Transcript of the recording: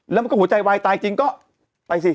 แล้วมันก็หัวใจวายตายจริงก็ไปสิ